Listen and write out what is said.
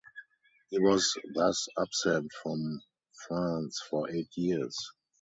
He was thus absent from France for eight years.